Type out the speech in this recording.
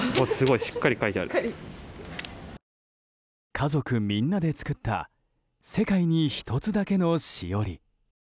家族みんなで作った世界に１つだけのしおり。